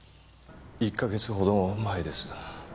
１か月ほど前です。